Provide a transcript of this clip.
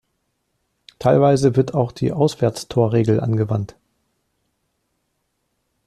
Teilweise wird auch die Auswärtstorregel angewandt.